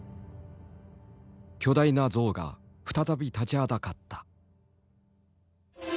巨大な象が再び立ちはだかった。